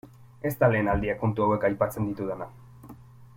Ez da lehen aldia kontu hauek aipatzen ditudana.